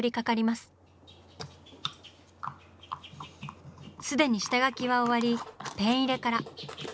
すでに下描きは終わりペン入れから。